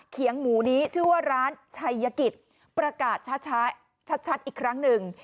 เขียงหมูนี้ชื่อว่าร้านชัยกิจประกาศชัดอีกครั้งหนึ่ง